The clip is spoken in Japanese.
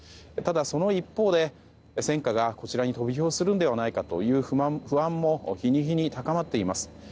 ただ、その一方で戦火がこちらに飛び火をするのではないかという不安も日に日に高まっています。